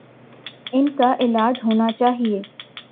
ان کا علاج ہونا چاہیے۔